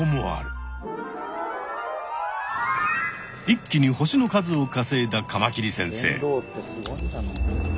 一気に星の数をかせいだカマキリ先生。